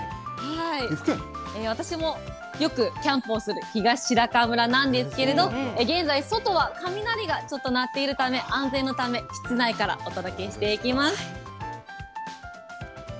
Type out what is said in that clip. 私もよくキャンプをする、東白川村なんですけど、現在、外は雷がちょっと鳴っているため、安全のため、室内からお届けしていきます。